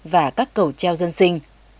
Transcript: và các cầu treo dân sinh